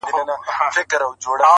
د هر رنګ نسل مذهب او ژبو مسافر